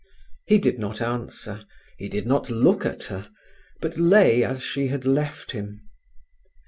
He did not answer, he did not look at her, but lay as she had left him.